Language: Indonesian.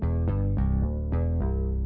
perayaan luar biasa rihe tangani hinng